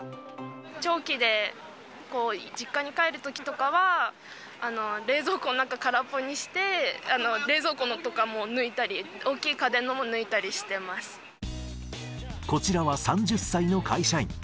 長期で実家に帰るときとかは、冷蔵庫の中、空っぽにして、冷蔵庫のとかも抜いたり、大きいこちらは３０歳の会社員。